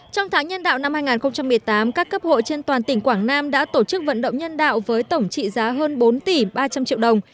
trong tháng nhân đạo năm hai nghìn một mươi tám các cấp hội trên toàn tỉnh quảng nam đã tổ chức vận động nhân đạo với tổng trị giá hơn bốn tỷ ba trăm linh triệu đồng